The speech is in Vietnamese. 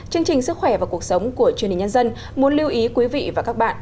chương trình sức khỏe và cuộc sống của truyền hình nhân dân muốn lưu ý quý vị và các bạn